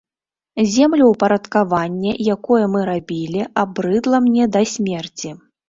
Землеўпарадкаванне, якое мы рабілі, абрыдла мне да смерці.